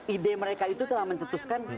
ide mereka itu telah mencetuskan